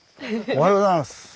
おはようございます。